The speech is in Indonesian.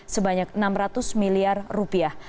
sebanyak enam ratus miliar rupiah